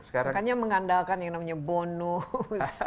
makanya mengandalkan yang namanya bonus